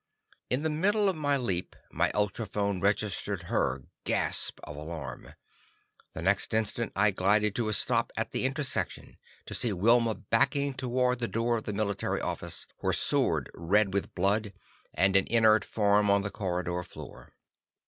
In the middle of my leap my ultrophone registered her gasp of alarm. The next instant I glided to a stop at the intersection to see Wilma backing toward the door of the military office, her sword red with blood, and an inert form on the corridor floor.